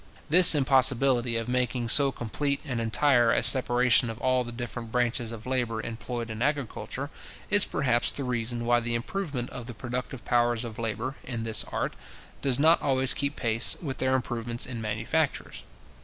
This impossibility of making so complete and entire a separation of all the different branches of labour employed in agriculture, is perhaps the reason why the improvement of the productive powers of labour, in this art, does not always keep pace with their improvement in manufactures.